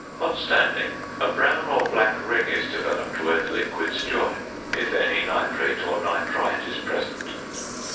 On standing, a brown or black ring is developed where the liquids join, if any nitrate or nitrite is present.